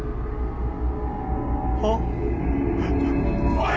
おい！